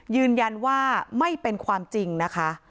ยืนยันว่าไม่เป็นความจริงนะคะ